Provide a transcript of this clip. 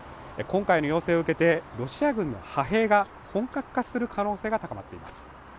今回の要請を受けてロシア軍の派兵が本格化する可能性が高まっています